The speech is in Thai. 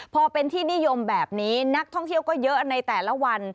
พอเป็นที่นิยมแบบนี้นักท่องเที่ยวก็เยอะในแต่ละวัน